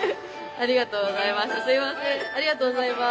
ありがとうございます。